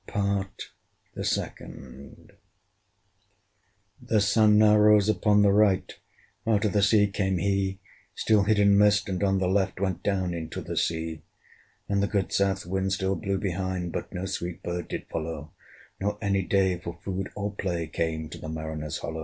PART THE SECOND. The Sun now rose upon the right: Out of the sea came he, Still hid in mist, and on the left Went down into the sea. And the good south wind still blew behind But no sweet bird did follow, Nor any day for food or play Came to the mariners' hollo!